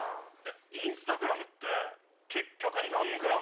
「インスタグラムって結局何グラム？」。